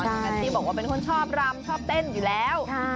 แพตตี้บอกว่าเป็นคนชอบรำชอบเต้นอยู่แล้ว